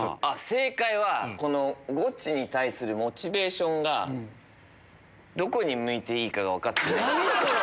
正解はゴチに対するモチベーションがどこに向いていいかが分かってない。